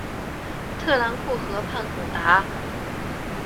特兰库河畔孔达。